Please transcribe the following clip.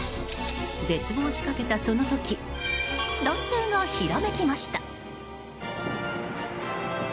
絶望しかけた、その時男性がひらめきました！